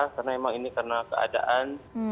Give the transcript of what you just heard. karena memang ini karena keadaan